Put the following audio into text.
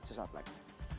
suatu saat lagi